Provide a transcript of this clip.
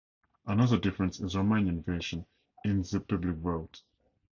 Another difference in Romanian version is the public votes.